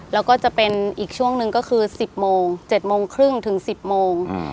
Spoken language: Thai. แล้วก็จะเป็นอีกช่วงหนึ่งก็คือ๑๐โมง๗โมงครึ่งถึง๑๐โมง